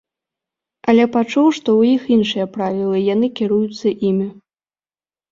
Але пачуў, што ў іх іншыя правілы і яны кіруюцца імі.